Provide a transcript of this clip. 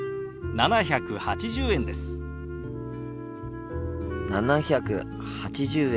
７８０円ですね？